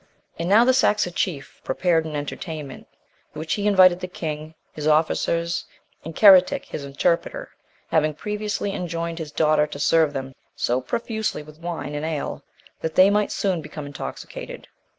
And now the Saxon chief prepared an entertainment, to which he invited the king, his officers, and Ceretic, his interpreter, having previously enjoined his daughter to serve them so profusely with wine and ale, that they might soon become intoxicated.